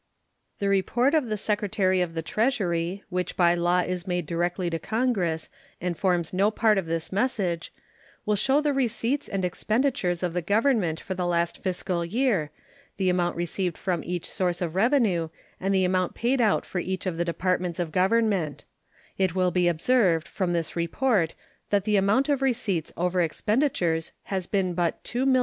The report of the Secretary of the Treasury, which by law is made directly to Congress, and forms no part of this message, will show the receipts and expenditures of the Government for the last fiscal year, the amount received from each source of revenue, and the amount paid out for each of the Departments of Government, It will be observed from this report that the amount of receipts over expenditures has been but $2,344,882.